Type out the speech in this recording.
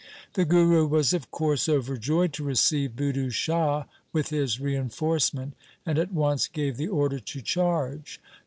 The Guru was of course overjoyed to receive Budhu Shah with his reinforcement, and at once gave the order to charge.